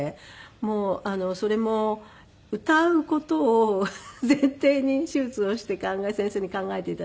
もうそれも歌う事を前提に手術をして先生に考えて頂いて。